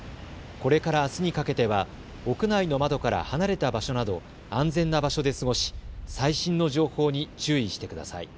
これからあすにかけては屋内の窓から離れた場所など安全な場所で過ごし最新の情報に注意してください。